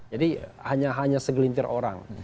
jadi hanya segelintir orang